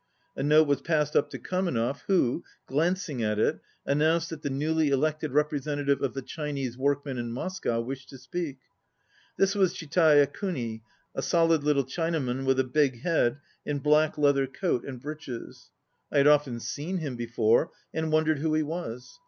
A note was passed up to Kamenev who, glancing at it, an nounced that the newly elected representative of the Chinese workmen in Moscow wished to speak. This was Chitaya Kuni, a solid little Chinaman with a big head, in black leather coat and breeches. I had often seen him before, and wondered who he was.